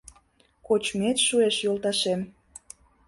— Кочмет шуэш, йолташем.